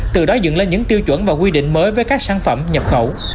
từ đó dựng lên những tiêu chuẩn và quy định mới với các sản phẩm nhập khẩu